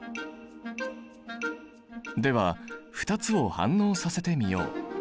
では２つを反応させてみよう。